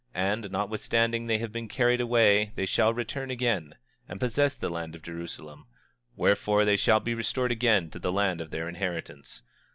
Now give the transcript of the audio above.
And notwithstanding they have been carried away they shall return again, and possess the land of Jerusalem; wherefore, they shall be restored again to the land of their inheritance.